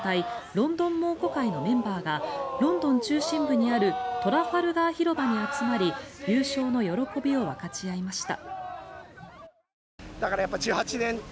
ロンドン猛虎会のメンバーがロンドン中心部にあるトラファルガー広場に集まり優勝の喜びを分かち合いました。